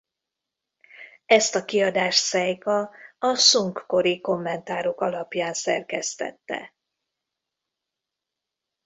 Ezt a kiadást Szeika a szung-kori kommentárok alapján szerkesztette.